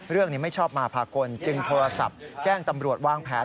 ไม่ชอบมาพากลจึงโทรศัพท์แจ้งตำรวจวางแผน